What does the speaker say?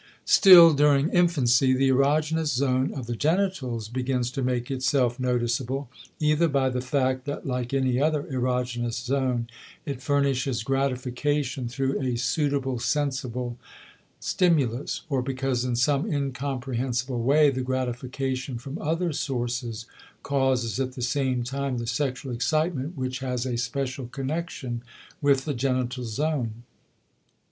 Still during infancy the erogenous zone of the genitals begins to make itself noticeable, either by the fact that like any other erogenous zone it furnishes gratification through a suitable sensible stimulus, or because in some incomprehensible way the gratification from other sources causes at the same time the sexual excitement which has a special connection with the genital zone.